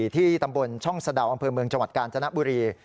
ที่ตำบลช่องสเดาอังเผยเมืองจกานจนบุรี